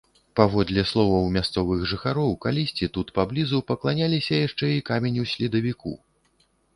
Паводле словаў мясцовых жыхароў, калісьці тут паблізу пакланяліся яшчэ і каменю-следавіку.